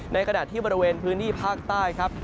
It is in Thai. ในขณะที่บริเวณพื้นที่ภาคใต้ครับ